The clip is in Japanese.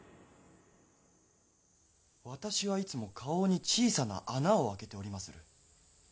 私はいつも花押に小さな穴を開けておりまする。